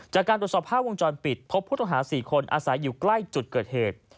จากการตรวจสอบภาพวงจรปิดพบผู้ต้องหา๔คนอาศัยอยู่ใกล้จุดเกิดเหตุ